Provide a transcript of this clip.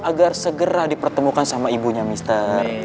agar segera dipertemukan sama ibunya mr